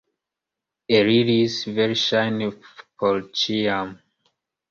Eliris, verŝajne, por ĉiam.